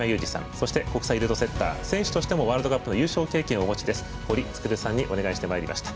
そして、国際ルートセッター選手としてもワールドカップの優勝経験をお持ちの堀創さんにお願いしてまいりました。